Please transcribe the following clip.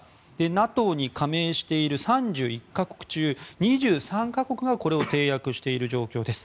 ＮＡＴＯに加盟している３１か国中２３か国がこれを締約している状況です。